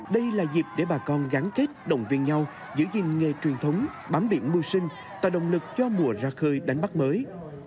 đây là dịp để bà con gắn kết động viên nhau giữ gìn nghề truyền thống bám biển mưu sinh tạo động lực cho mùa ra khơi đánh bắt mới